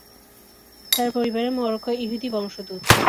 তার পরিবার মরক্কো-ইহুদি বংশোদ্ভূত।